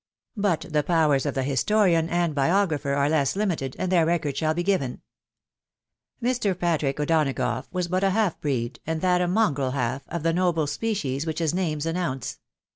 But the powers of the historian and biographer are less limited, and their record shall be given. Mr. Patrick O'Donagough was but a half breed, and that a mongrel half, of the noble species which his names announce.